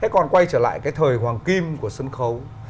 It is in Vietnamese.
cái thời hoàng kim của sân khấu